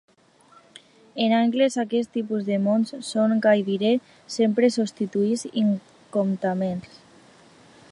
En anglès, aquest tipus de mots són gairebé sempre substantius incomptables.